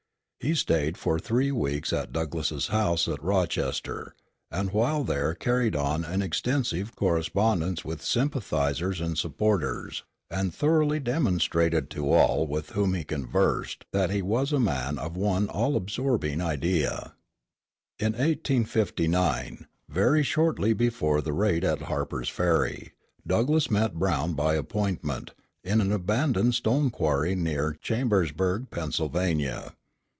He stayed for three weeks at Douglass's house at Rochester, and while there carried on an extensive correspondence with sympathizers and supporters, and thoroughly demonstrated to all with whom he conversed that he was a man of one all absorbing idea. In 1859, very shortly before the raid at Harpers Ferry, Douglass met Brown by appointment, in an abandoned stone quarry near Chambersburg, Pennsylvania.